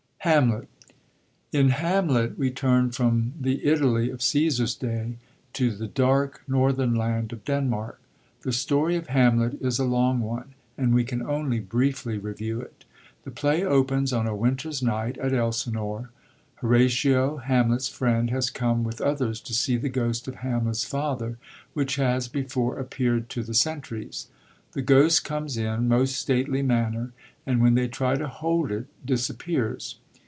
Hamlet. — In Hamlet we turn from the Italy of Caesar's day to the dark, northern land of Denmark. The story of Hamlet is a long one, and we can only briefly review it. The play opens on a winter's night at Elsinore. Horatio, Hamlet's friend, has come with others to see the ghost of Hamlet's father, which has before appeard to the sentries* The ghost comes in most stately manner, and when they try to hold it» disappears.